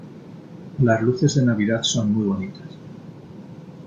Las luces de navidad son muy bonitas.